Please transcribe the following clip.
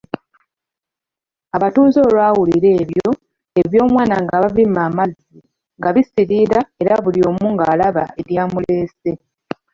Abatuuze olwawulira ebyo, eby'omwana nga babimma amazzi nga bisiriira era buli omu ng'alaba eryamuleese.